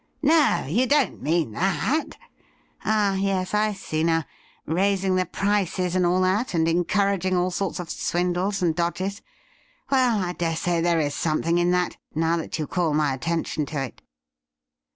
' No, you don't mean that .'' Ah, yes, I see now — raising the prices and all that, and encouraging all sorts of swindles and dodges. Well, I dare say there is something in that, now that you call my attention to it.'